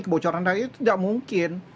kebocoran data itu tidak mungkin